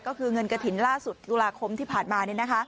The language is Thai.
ก็คือเงินกระถิ่นล่าสุดตุลาคมที่ผ่านมา